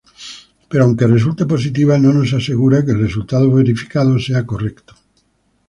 Pero, aunque resulte positiva, no nos asegura que el resultado verificado sea correcto.